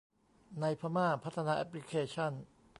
ในพม่าพัฒนาแอพพลิเคชั่น